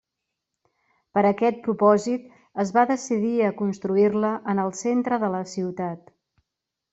Per aquest propòsit, es va decidir a construir-la en el centre de la ciutat.